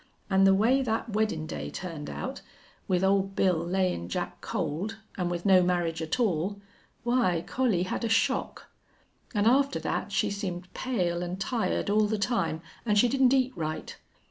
An' the way that weddin' day turned out with Old Bill layin' Jack cold, an' with no marriage at all why, Collie had a shock. An' after that she seemed pale an' tired all the time an' she didn't eat right.